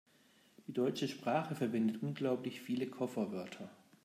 Die deutsche Sprache verwendet unglaublich viele Kofferwörter.